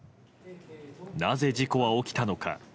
なぜ事故は起きたのか。